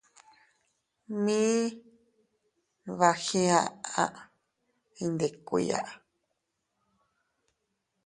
Mi nbagiaʼa iyndikuiya.